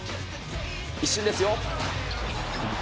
一瞬ですよ。